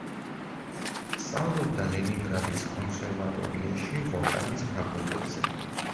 სწავლობდა ლენინგრადის კონსერვატორიაში ვოკალის ფაკულტეტზე.